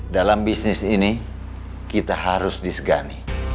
dalam bisnis ini kita harus disegani